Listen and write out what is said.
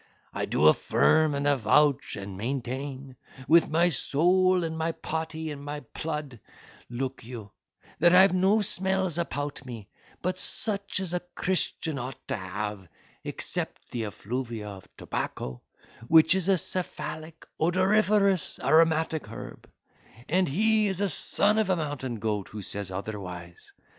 I do affirm and avouch, and maintain, with my soul, and my pody, and my plood, look you, that I have no smells apout me, but such as a Christian ought to have, except the effluvia of tobacco, which is a cephalic, odoriferous, aromatic herb; and he is a son of a mountain goat who says otherwise.